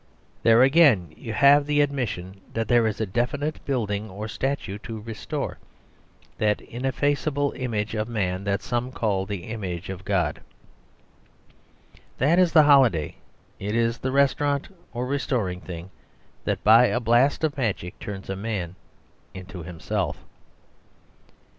There again you have the admission that there is a definite building or statue to "restore"; that ineffaceable image of man that some call the image of God. And that is the holiday; it is the restaurant or restoring thing that, by a blast of magic, turns a man into himself.